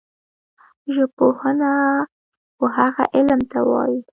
ژبپوهنه وهغه علم ته وايي